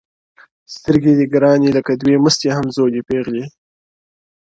سترگي دي گراني لکه دوې مستي همزولي پيغلي؛